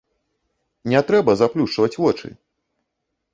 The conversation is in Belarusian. Не трэба заплюшчваць вочы.